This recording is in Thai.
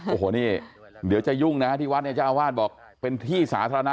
โอ้โหนี่เดี๋ยวจะยุ่งนะที่วัดเนี่ยเจ้าอาวาสบอกเป็นที่สาธารณะ